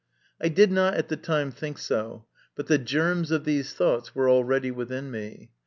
I did not at the time think so, but the germs of these thoughts were already within me.